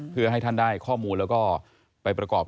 เพื่อให้ท่านได้ข้อมูลแล้วก็ไปประกอบ